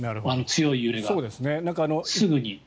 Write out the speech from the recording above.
強い揺れが、すぐに。